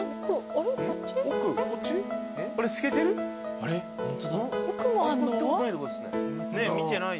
あそこ行ったことないとこですね。